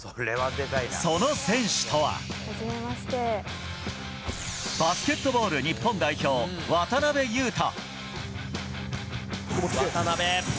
その選手とはバスケットボール日本代表渡邊雄太。